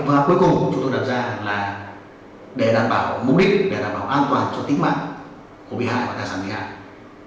và cuối cùng chúng tôi đặt ra là để đảm bảo mục đích để đảm bảo an toàn cho tính mạng của bị hại và tài sản bị hại